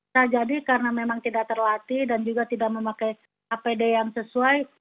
nah jadi karena memang tidak terlatih dan juga tidak memakai apd yang sesuai